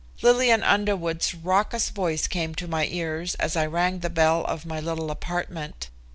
Lillian Underwood's raucous voice came to my ears as I rang the bell of my little apartment.